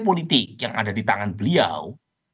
politik yang ada di tangan beliau